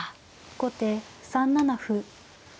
後手３七歩。